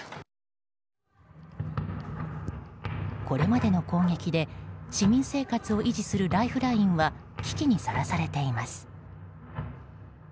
これまでの攻撃で市民生活を維持するライフラインは危機にさらされています。